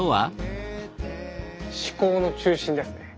思考の中心ですね。